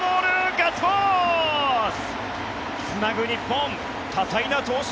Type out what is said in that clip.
ガッツポーズ！